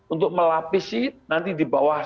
untuk melapisi nanti di bawah